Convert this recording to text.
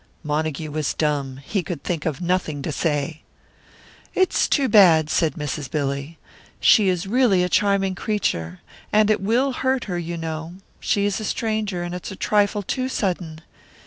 Montague was dumb; he could think of nothing to say. "It's too bad," said Mrs. Billy. "She is really a charming creature. And it will hurt her, you know she is a stranger, and it's a trifle too sudden.